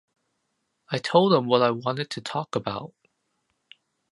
I told them what I wanted to talk about.